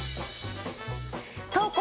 投稿！